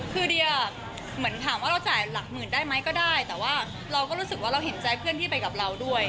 คือเดียเหมือนถามว่าเราจ่ายหลักหมื่นได้ไหมก็ได้แต่ว่าเราก็รู้สึกว่าเราเห็นใจเพื่อนที่ไปกับเราด้วย